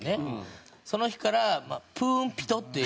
その日から「プンピト」って。